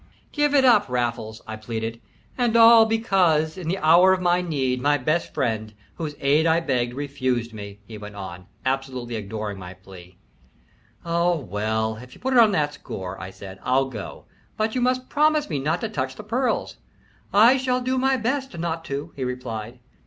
"Give it up, Raffles," I pleaded. "And all because, in the hour of my need, my best friend, whose aid I begged, refused me," he went on, absolutely ignoring my plea. "Oh, well, if you put it on that score," I said, "I'll go but you must promise me not to touch the pearls." "I'll do my best not to," he replied.